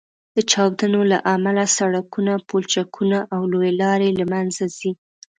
د چاودنو له امله سړکونه، پولچکونه او لویې لارې له منځه ځي